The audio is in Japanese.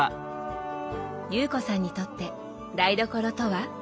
有子さんにとって台所とは？